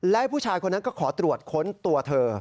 และผู้ชายคนนั้นก็ขอตรวจค้นตัวเธอ